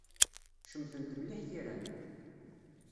Cemtent mliḥ tira-m.